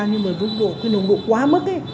nhưng mà vụ nồng độ quá mức